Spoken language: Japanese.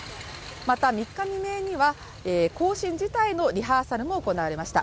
また、３日未明には行進自体のリハーサルも行われました。